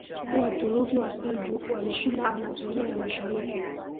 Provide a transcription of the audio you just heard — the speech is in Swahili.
Waturuki wa Seljuk walishinda Anatolia ya Mashariki